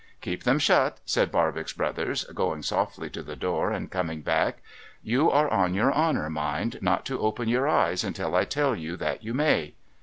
* Keep them shut,' said Barbox Brothers, going softly to the door, and coming back. ' You are on your honour, mind, not to open your eyes until I tell you that you may